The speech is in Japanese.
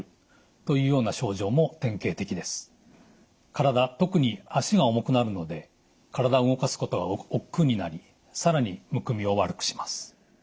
体特に脚が重くなるので体を動かすことがおっくうになり更にむくみを悪くします。